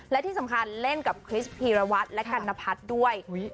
และที่สำคัญเล่นกับคริสพีรวัตรและกัณพัฒน์ด้วย